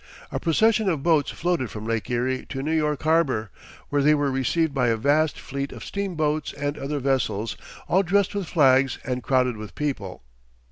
A procession of boats floated from Lake Erie to New York Harbor, where they were received by a vast fleet of steamboats and other vessels, all dressed with flags and crowded with people.